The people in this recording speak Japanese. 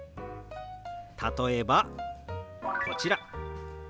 例えばこちら。